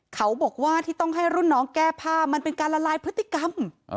เขาบอกว่าที่ต้องให้รุ่นน้องแก้ผ้ามันเป็นการละลายพฤติกรรม